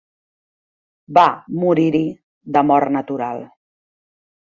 Va morir-hi de mort natural.